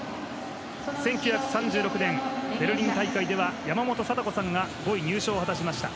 １９３６年、ベルリン大会ではヤマモトさんが５位入賞を果たしました。